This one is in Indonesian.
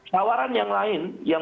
tawaran yang lain yang